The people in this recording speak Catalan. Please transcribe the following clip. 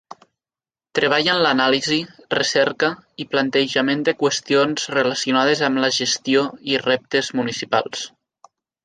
Treballa en l'anàlisi, recerca i plantejament de qüestions relacionades amb la gestió i reptes municipals.